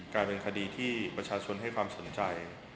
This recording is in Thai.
กลายเป็นคดีที่ประชาชนให้ความสนใจ